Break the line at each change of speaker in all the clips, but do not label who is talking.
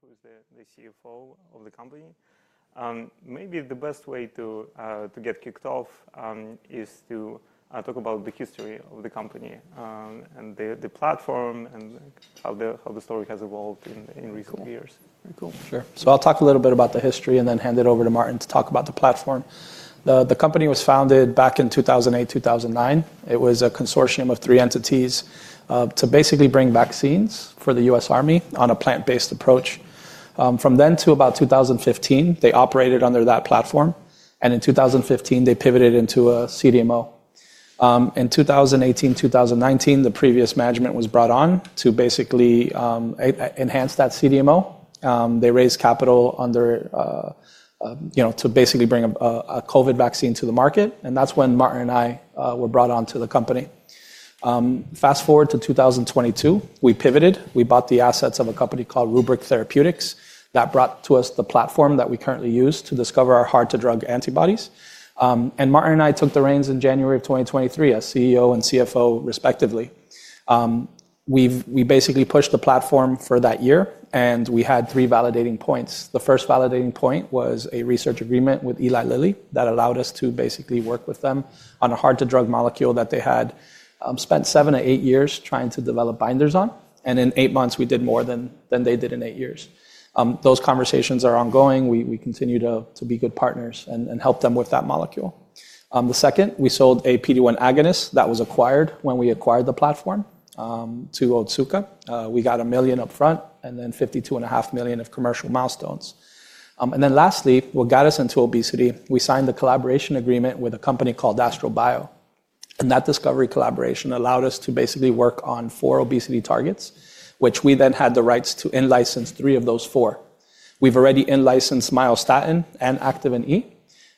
Duran, who is the CFO of the company. Maybe the best way to get kicked off is to talk about the history of the company, and the platform, and how the story has evolved in recent years.
Cool. Very cool.
Sure. I'll talk a little bit about the history and then hand it over to Martin to talk about the platform. The company was founded back in 2008, 2009. It was a consortium of three entities to basically bring vaccines for the U.S. Army on a plant-based approach. From then to about 2015, they operated under that platform. In 2015, they pivoted into a CDMO. In 2018, 2019, the previous management was brought on to basically enhance that CDMO. They raised capital under, you know, to basically bring a COVID vaccine to the market. That's when Martin and I were brought on to the company. Fast forward to 2022, we pivoted. We bought the assets of a company called Rubrik Therapeutics that brought to us the platform that we currently use to discover our hard-to-drug antibodies. Martin and I took the reins in January of 2023 as CEO and CFO, respectively. We basically pushed the platform for that year, and we had three validating points. The first validating point was a research agreement with Eli Lilly that allowed us to basically work with them on a hard-to-drug molecule that they had spent seven to eight years trying to develop binders on. In eight months, we did more than they did in eight years. Those conversations are ongoing. We continue to be good partners and help them with that molecule. The second, we sold a PD-1 agonist that was acquired when we acquired the platform, to Otsuka. We got $1 million upfront and then $52.5 million of commercial milestones. And then lastly, what got us into obesity, we signed the collaboration agreement with a company called AstroBio.
That discovery collaboration allowed us to basically work on four obesity targets, which we then had the rights to in-license three of those four. We've already in-licensed myostatin, and Activin E,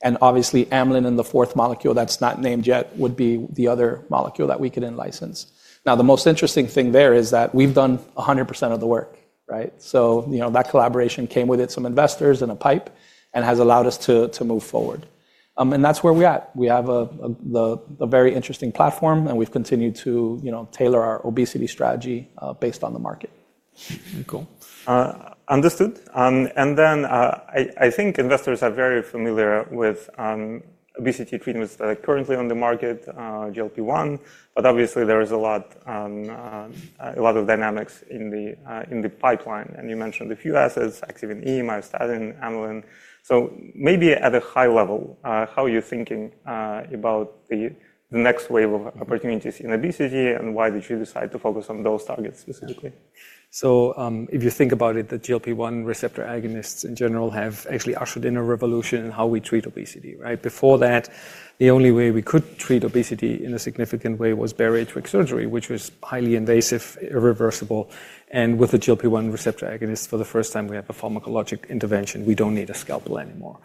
and obviously Amylin, and the fourth molecule that's not named yet would be the other molecule that we could in-license. The most interesting thing there is that we've done 100% of the work, right? You know, that collaboration came with it some investors and a pipe and has allowed us to move forward. That's where we're at. We have a very interesting platform, and we've continued to, you know, tailor our obesity strategy, based on the market.
Very cool. Understood. I think investors are very familiar with obesity treatments that are currently on the market, GLP-1, but obviously there is a lot, a lot of dynamics in the pipeline. You mentioned a few assets: Activin E, myostatin, Amylin. Maybe at a high level, how are you thinking about the next wave of opportunities in obesity and why did you decide to focus on those targets specifically?
If you think about it, the GLP-1 receptor agonists in general have actually ushered in a revolution in how we treat obesity, right? Before that, the only way we could treat obesity in a significant way was bariatric surgery, which was highly invasive, irreversible. With the GLP-1 receptor agonists, for the first time, we have a pharmacologic intervention. We do not need a scalpel anymore.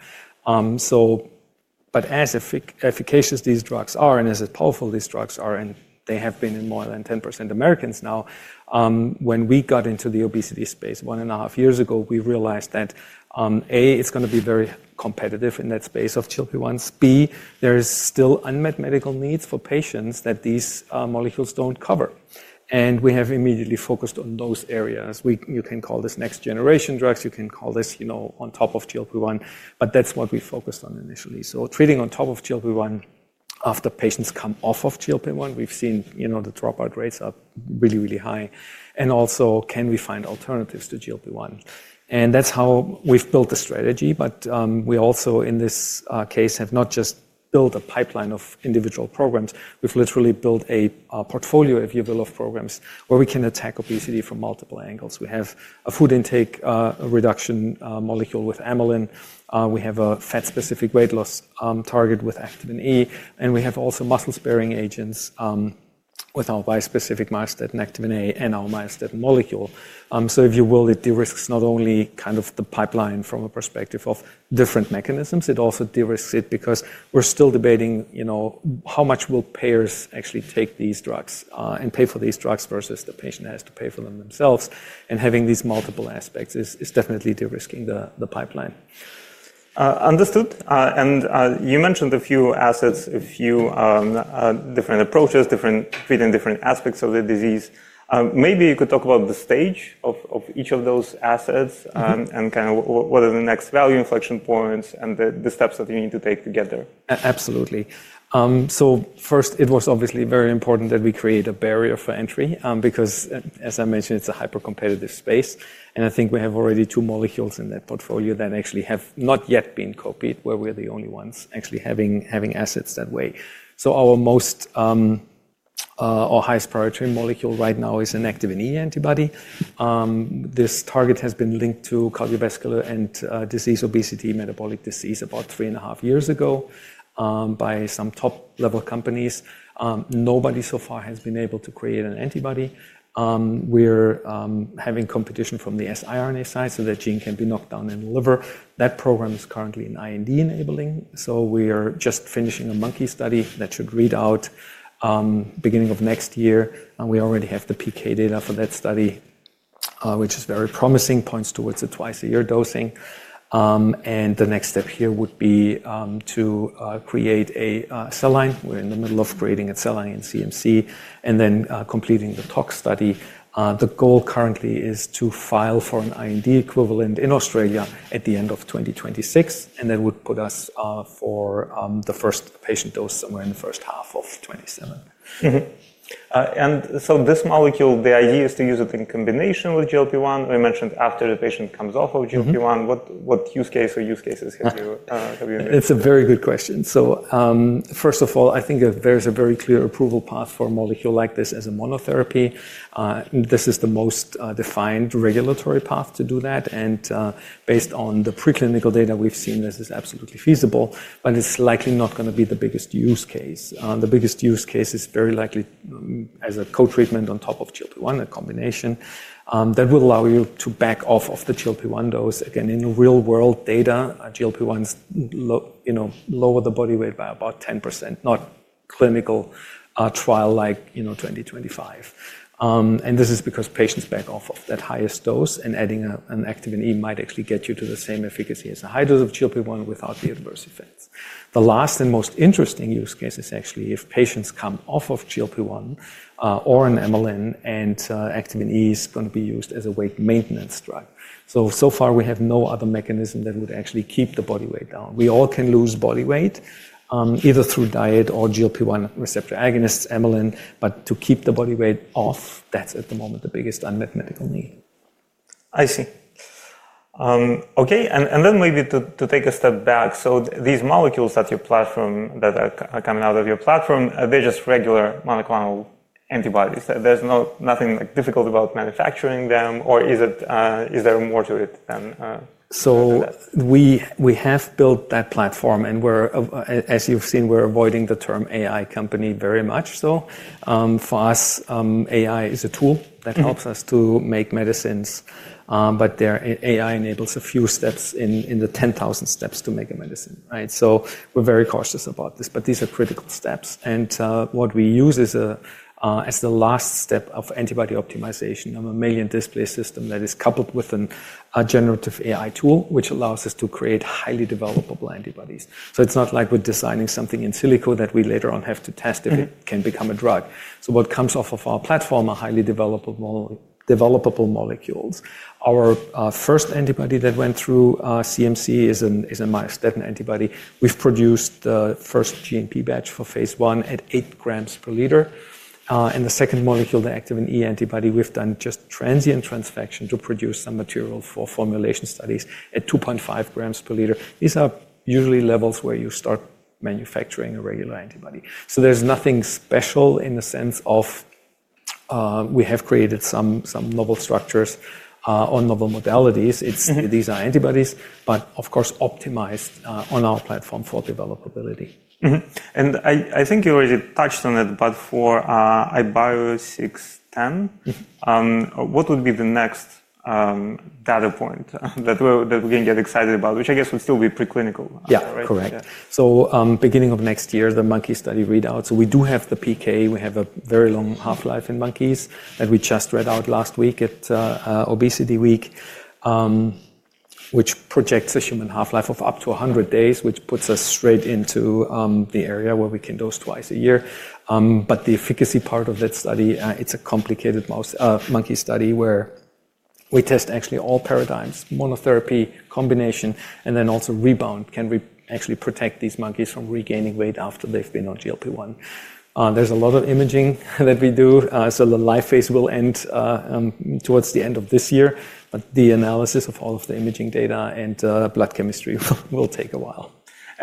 As efficacious as these drugs are and as powerful as these drugs are, and they have been in more than 10% Americans now, when we got into the obesity space one and a half years ago, we realized that, A, it is going to be very competitive in that space of GLP-1s. B, there are still unmet medical needs for patients that these molecules do not cover. We have immediately focused on those areas. You can call this next generation drugs. You can call this, you know, on top of GLP-1, but that's what we focused on initially. Treating on top of GLP-1 after patients come off of GLP-1, we've seen, you know, the dropout rates are really, really high. Also, can we find alternatives to GLP-1? That's how we've built the strategy. We also in this case have not just built a pipeline of individual programs. We've literally built a portfolio, if you will, of programs where we can attack obesity from multiple angles. We have a food intake reduction molecule with Amylin. We have a fat-specific weight loss target with Activin E. We have also muscle-sparing agents with our bispecific myostatin Activin A and our myostatin molecule. If you will, it de-risks not only kind of the pipeline from a perspective of different mechanisms, it also de-risks it because we're still debating, you know, how much will payers actually take these drugs, and pay for these drugs versus the patient has to pay for them themselves. Having these multiple aspects is definitely de-risking the pipeline.
Understood. And, you mentioned a few assets, a few different approaches, different treating different aspects of the disease. Maybe you could talk about the stage of each of those assets, and kind of what are the next value inflection points and the steps that you need to take to get there?
Absolutely. First, it was obviously very important that we create a barrier for entry, because, as I mentioned, it's a hyper-competitive space. I think we have already two molecules in that portfolio that actually have not yet been copied where we are the only ones actually having assets that way. Our most, or highest priority molecule right now is an Activin E antibody. This target has been linked to cardiovascular and disease obesity, metabolic disease about three and a half years ago, by some top level companies. Nobody so far has been able to create an antibody. We're having competition from the siRNA side so that gene can be knocked down in the liver. That program is currently in IND enabling. We are just finishing a monkey study that should read out, beginning of next year. We already have the PK data for that study, which is very promising, points towards the twice a year dosing. The next step here would be to create a cell line. We're in the middle of creating a cell line in CMC and then completing the tox study. The goal currently is to file for an IND equivalent in Australia at the end of 2026. That would put us, for the first patient dose, somewhere in the first half of 2027.
Mm-hmm. And so this molecule, the idea is to use it in combination with GLP-1. You mentioned after the patient comes off of GLP-1, what use case or use cases have you envisioned?
It's a very good question. First of all, I think there's a very clear approval path for a molecule like this as a monotherapy. This is the most defined regulatory path to do that. Based on the preclinical data we've seen, this is absolutely feasible, but it's likely not gonna be the biggest use case. The biggest use case is very likely as a co-treatment on top of GLP-1, a combination that will allow you to back off of the GLP-1 dose. Again, in real world data, GLP-1s, you know, lower the body weight by about 10%, not clinical trial like, you know, 20%-25%. This is because patients back off of that highest dose and adding an Activin E might actually get you to the same efficacy as a high dose of GLP-1 without the adverse effects. The last and most interesting use case is actually if patients come off of GLP-1, or an Amylin, and Activin E is gonna be used as a weight maintenance drug. So far, we have no other mechanism that would actually keep the body weight down. We all can lose body weight, either through diet or GLP-1 receptor agonists, Amylin, but to keep the body weight off, that's at the moment the biggest unmet medical need.
I see. Okay. And then maybe to take a step back. So these molecules that your platform, that are coming out of your platform, are they just regular monoclonal antibodies? There's no, nothing like difficult about manufacturing them, or is it, is there more to it than, like that?
We have built that platform and, as you've seen, we're avoiding the term AI company very much. For us, AI is a tool that helps us to make medicines. AI enables a few steps in the 10,000 steps to make a medicine, right? We're very cautious about this, but these are critical steps. What we use is, as the last step of antibody optimization, a mammalian display system that is coupled with a generative AI tool, which allows us to create highly developable antibodies. It's not like we're designing something in silico that we later on have to test if it can become a drug. What comes off of our platform are highly developable molecules. Our first antibody that went through CMC is a myostatin antibody. We've produced the first GMP batch for phase I at 8 grams per liter. The second molecule, the Activin E antibody, we've done just transient transfection to produce some material for formulation studies at 2.5 grams per liter. These are usually levels where you start manufacturing a regular antibody. There's nothing special in the sense of, we have created some novel structures, or novel modalities. It's, these are antibodies, but of course optimized, on our platform for developability.
Mm-hmm. I think you already touched on it, but for iBio 610, what would be the next data point that we can get excited about, which I guess would still be preclinical, right?
Yeah, correct. So, beginning of next year, the monkey study readouts. So we do have the PK. We have a very long half-life in monkeys that we just read out last week at ObesityWeek, which projects a human half-life of up to 100 days, which puts us straight into the area where we can dose twice a year. The efficacy part of that study, it's a complicated mouse, monkey study where we test actually all paradigms, monotherapy, combination, and then also rebound. Can we actually protect these monkeys from regaining weight after they've been on GLP-1? There's a lot of imaging that we do. The life phase will end towards the end of this year, but the analysis of all of the imaging data and blood chemistry will take a while.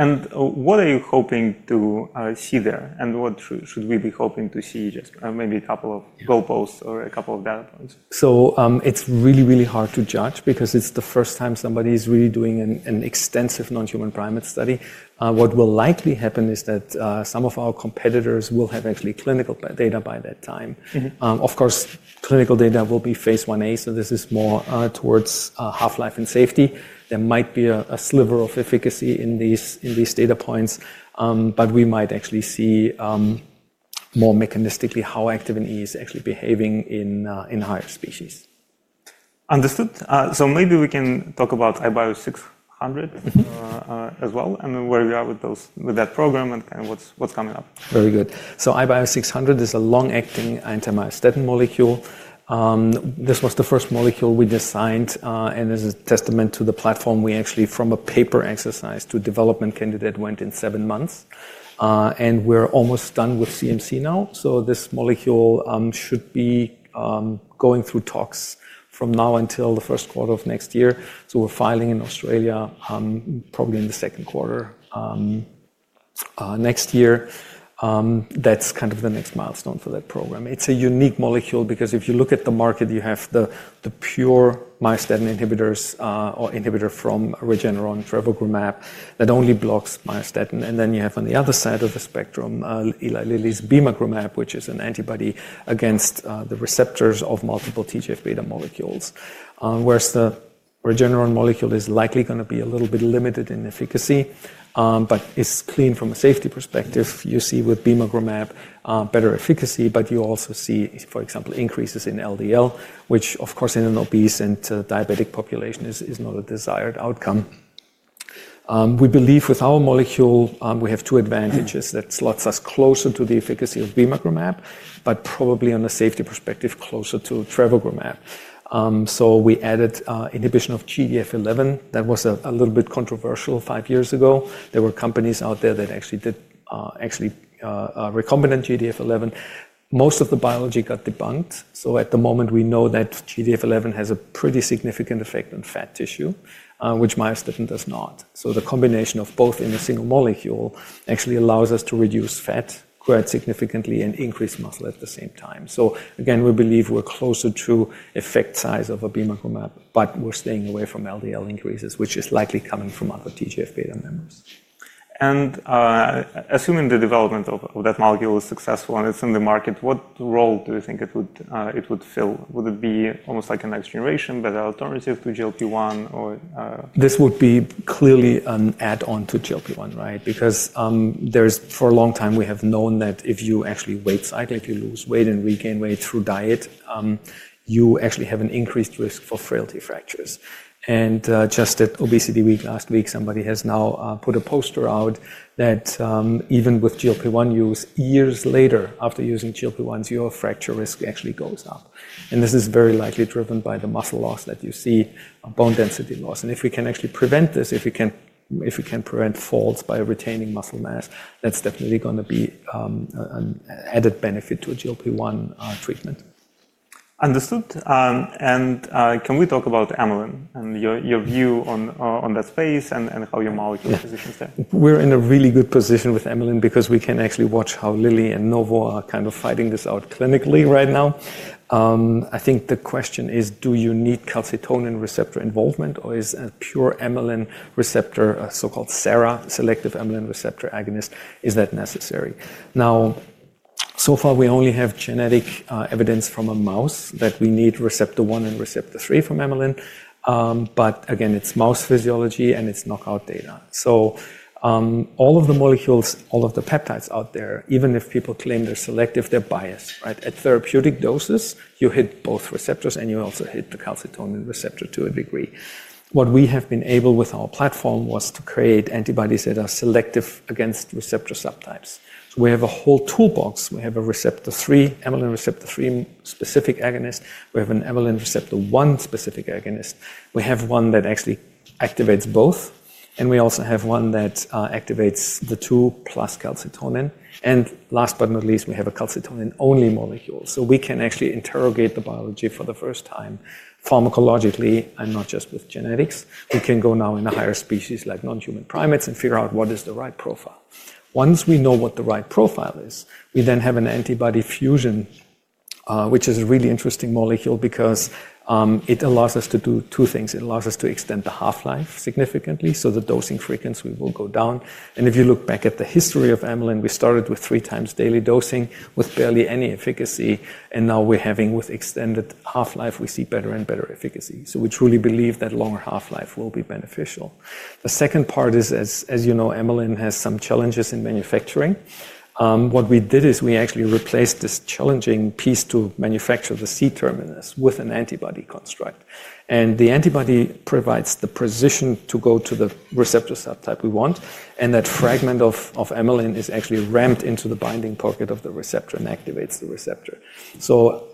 What are you hoping to see there? What should we be hoping to see? Just maybe a couple of goal posts or a couple of data points.
It's really, really hard to judge because it's the first time somebody is really doing an extensive non-human primate study. What will likely happen is that some of our competitors will have actually clinical data by that time. Of course, clinical data will be phase I A, so this is more towards half-life and safety. There might be a sliver of efficacy in these data points. We might actually see more mechanistically how Activin E is actually behaving in higher species.
Understood. So maybe we can talk about iBio 600, as well, and where we are with those, with that program and kind of what's coming up.
Very good. iBio 600 is a long-acting anti-myostatin molecule. This was the first molecule we designed, and as a testament to the platform, we actually, from a paper exercise to development candidate, went in seven months. We are almost done with CMC now. This molecule should be going through tox from now until the first quarter of next year. We are filing in Australia, probably in the second quarter next year. That is kind of the next milestone for that program. It is a unique molecule because if you look at the market, you have the pure myostatin inhibitors, or inhibitor from Regeneron, Trevogrumab, that only blocks myostatin. Then you have on the other side of the spectrum, Eli Lilly's Bimagrumab, which is an antibody against the receptors of multiple TGF beta molecules. Whereas the Regeneron molecule is likely gonna be a little bit limited in efficacy, but it's clean from a safety perspective. You see with bimagrumab, better efficacy, but you also see, for example, increases in LDL, which of course in an obese and diabetic population is not a desired outcome. We believe with our molecule, we have two advantages that slots us closer to the efficacy of bimagrumab, but probably on a safety perspective, closer to trevogrumab. We added inhibition of GDF11 that was a little bit controversial five years ago. There were companies out there that actually did recombinant GDF11. Most of the biology got debunked. At the moment, we know that GDF11 has a pretty significant effect on fat tissue, which myostatin does not. The combination of both in a single molecule actually allows us to reduce fat quite significantly and increase muscle at the same time. Again, we believe we're closer to effect size of a bimagrumab, but we're staying away from LDL increases, which is likely coming from other TGF-beta members.
Assuming the development of that molecule is successful and it's in the market, what role do you think it would fill? Would it be almost like a next generation, better alternative to GLP-1 or,
This would be clearly an add-on to GLP-1, right? Because, there's, for a long time, we have known that if you actually weight cycle, if you lose weight and regain weight through diet, you actually have an increased risk for frailty fractures. Just at ObesityWeek last week, somebody has now put a poster out that, even with GLP-1 use, years later after using GLP-1s, your fracture risk actually goes up. This is very likely driven by the muscle loss that you see, bone density loss. If we can actually prevent this, if we can, if we can prevent falls by retaining muscle mass, that's definitely gonna be an added benefit to a GLP-1 treatment.
Understood. And, can we talk about Amylin and your, your view on, on that space and how your molecule positions there?
We're in a really good position with Amylin because we can actually watch how Lilly and Novo are kind of fighting this out clinically right now. I think the question is, do you need calcitonin receptor involvement or is a pure Amylin receptor, a so-called SERA, selective Amylin receptor agonist, is that necessary? Now, so far, we only have genetic evidence from a mouse that we need receptor one and receptor three from Amylin. But again, it's mouse physiology and it's knockout data. All of the molecules, all of the peptides out there, even if people claim they're selective, they're biased, right? At therapeutic doses, you hit both receptors and you also hit the calcitonin receptor to a degree. What we have been able with our platform was to create antibodies that are selective against receptor subtypes. We have a whole toolbox. We have a receptor three, Amylin receptor three specific agonist. We have an Amylin receptor one specific agonist. We have one that actually activates both. We also have one that activates the two plus calcitonin. Last but not least, we have a calcitonin only molecule. We can actually interrogate the biology for the first time pharmacologically and not just with genetics. We can go now in a higher species like non-human primates and figure out what is the right profile. Once we know what the right profile is, we then have an antibody fusion, which is a really interesting molecule because it allows us to do two things. It allows us to extend the half-life significantly. The dosing frequency will go down. If you look back at the history of Amylin, we started with three times daily dosing with barely any efficacy. Now we're having with extended half-life, we see better and better efficacy. We truly believe that longer half-life will be beneficial. The second part is, as you know, Amylin has some challenges in manufacturing. What we did is we actually replaced this challenging piece to manufacture, the C-terminus, with an antibody construct. The antibody provides the position to go to the receptor subtype we want. That fragment of Amylin is actually ramped into the binding pocket of the receptor and activates the receptor.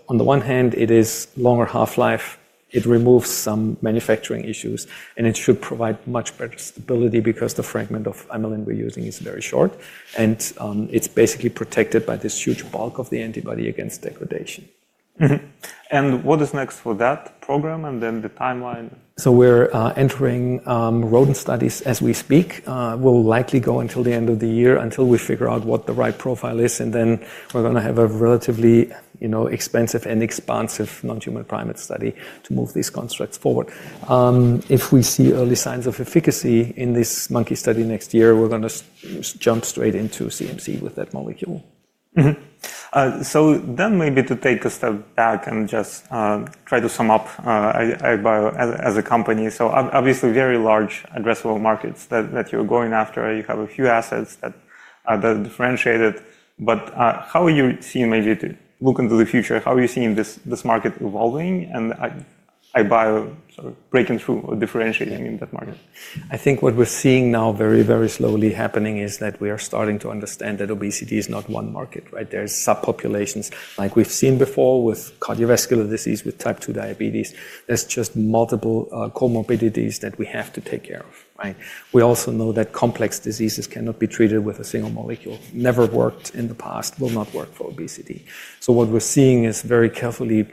On the one hand, it is longer half-life, it removes some manufacturing issues, and it should provide much better stability because the fragment of Amylin we're using is very short. It's basically protected by this huge bulk of the antibody against degradation.
Mm-hmm. What is next for that program and then the timeline?
We're entering rodent studies as we speak. We'll likely go until the end of the year until we figure out what the right profile is. Then we're gonna have a relatively, you know, expensive and expansive non-human primate study to move these constructs forward. If we see early signs of efficacy in this monkey study next year, we're gonna jump straight into CMC with that molecule.
Mm-hmm. Maybe to take a step back and just try to sum up iBio as a company. Obviously very large addressable markets that you're going after. You have a few assets that are differentiated. How are you seeing, maybe to look into the future, how are you seeing this market evolving and iBio sort of breaking through or differentiating in that market?
I think what we're seeing now very, very slowly happening is that we are starting to understand that obesity is not one market, right? There are subpopulations like we've seen before with cardiovascular disease, with type two diabetes. There are just multiple comorbidities that we have to take care of, right? We also know that complex diseases cannot be treated with a single molecule. Never worked in the past, will not work for obesity. What we're seeing is very carefully,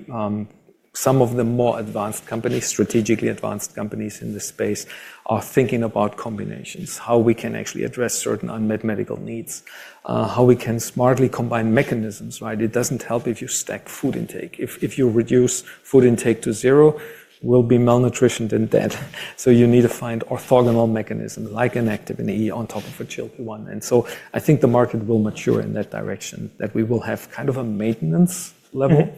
some of the more advanced companies, strategically advanced companies in this space are thinking about combinations, how we can actually address certain unmet medical needs, how we can smartly combine mechanisms, right? It does not help if you stack food intake. If you reduce food intake to zero, we will be malnutritioned and dead. You need to find orthogonal mechanism like an Activin E on top of a GLP-1. I think the market will mature in that direction that we will have kind of a maintenance level,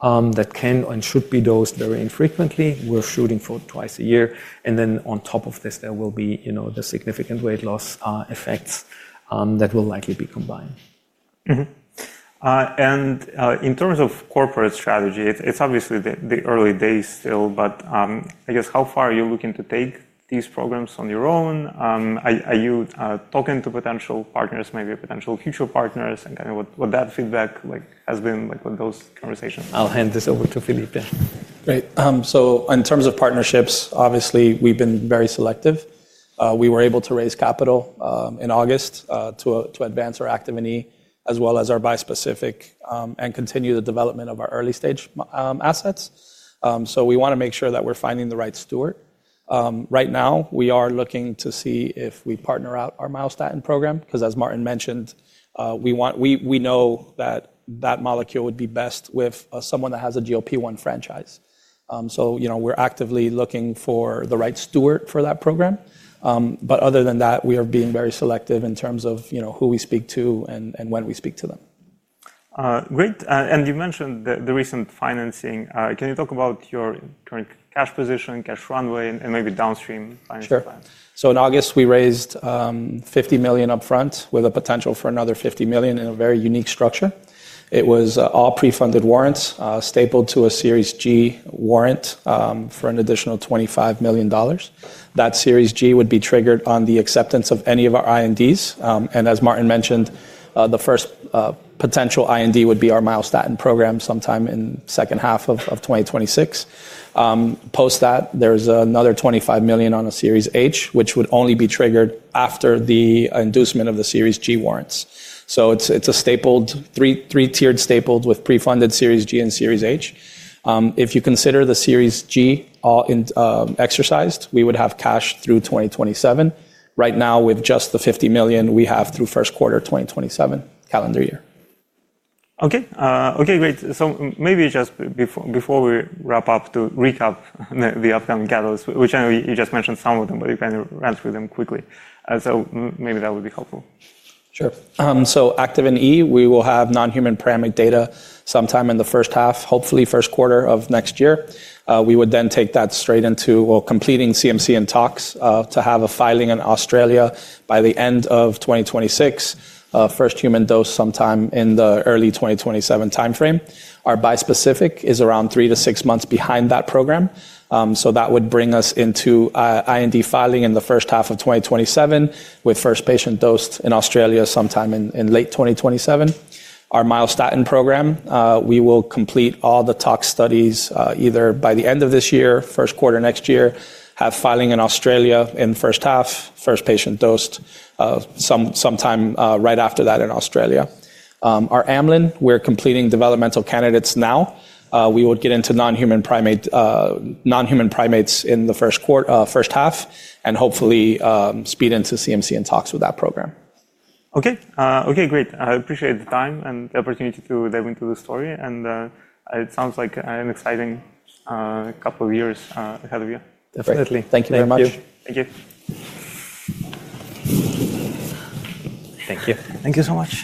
that can and should be dosed very infrequently. We're shooting for twice a year. Then on top of this, there will be, you know, the significant weight loss effects, that will likely be combined.
Mm-hmm. And, in terms of corporate strategy, it's, it's obviously the early days still, but, I guess how far are you looking to take these programs on your own? Are, are you talking to potential partners, maybe potential future partners and kind of what, what that feedback has been like with those conversations?
I'll hand this over to Felipe.
Great. So in terms of partnerships, obviously we've been very selective. We were able to raise capital in August to advance our Activin E as well as our bispecific, and continue the development of our early stage assets. We want to make sure that we're finding the right steward. Right now we are looking to see if we partner out our myostatin program. 'Cause as Martin mentioned, we know that that molecule would be best with someone that has a GLP-1 franchise. So, you know, we're actively looking for the right steward for that program. Other than that, we are being very selective in terms of, you know, who we speak to and when we speak to them.
Great. And you mentioned the, the recent financing. Can you talk about your current cash position, cash runway, and maybe downstream financial plans?
Sure. In August, we raised $50 million upfront with a potential for another $50 million in a very unique structure. It was all pre-funded warrants stapled to a Series G warrant for an additional $25 million. That Series G would be triggered on the acceptance of any of our INDs. As Martin mentioned, the first potential IND would be our myostatin program sometime in the second half of 2026. Post that, there is another $25 million on a Series H, which would only be triggered after the inducement of the Series G warrants. It is a three-tiered stapled with pre-funded, Series G, and Series H. If you consider the Series G all in, exercised, we would have cash through 2027. Right now, with just the $50 million, we have through first quarter 2027 calendar year.
Okay, great. Maybe just before we wrap up, to recap the upcoming catalysts, which I know you just mentioned some of them, but you kind of ran through them quickly, so maybe that would be helpful.
Sure. So Activin E, we will have non-human primate data sometime in the first half, hopefully first quarter of next year. We would then take that straight into, well, completing CMC and tox, to have a filing in Australia by the end of 2026, first human dose sometime in the early 2027 timeframe. Our bi-specific is around three to six months behind that program. So that would bring us into IND filing in the first half of 2027 with first patient dosed in Australia sometime in, in late 2027. Our myostatin program, we will complete all the tox studies, either by the end of this year, first quarter next year, have filing in Australia in first half, first patient dosed, some, sometime, right after that in Australia. Our Amylin, we're completing developmental candidates now. we would get into non-human primate, non-human primates in the first quarter, first half, and hopefully, speed into CMC and tox with that program.
Okay, great. I appreciate the time and the opportunity to dive into the story. It sounds like an exciting couple of years ahead of you.
Definitely. Thank you very much.
Thank you. Thank you.
Thank you.
Thank you so much.